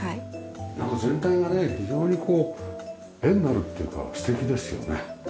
なんか全体がね非常にこう絵になるっていうか素敵ですよね。